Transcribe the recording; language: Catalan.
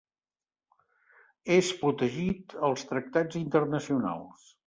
És protegit als tractats internacionals.